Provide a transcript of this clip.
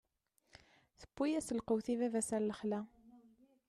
Tewwi-yas lqut i baba-s ɣer lexla.